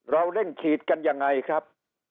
เราเร่งฉีดกันยังไงครับ